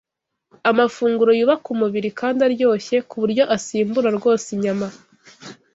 amafunguro yubaka umubiri kandi aryoshye, ku buryo asimbura rwose inyama.